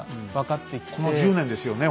この１０年ですよね